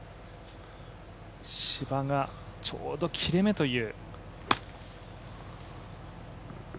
芝がちょうど切れ目という。